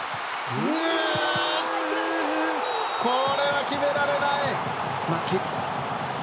これは決められない！